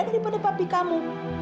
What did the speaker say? daripada papi kamu